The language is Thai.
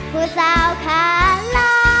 ผู้สาวขาลอ